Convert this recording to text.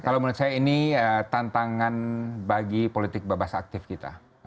kalau menurut saya ini tantangan bagi politik bebas aktif kita